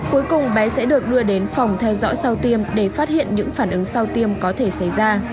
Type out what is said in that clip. cuối cùng bé sẽ được đưa đến phòng theo dõi sau tiêm để phát hiện những phản ứng sau tiêm có thể xảy ra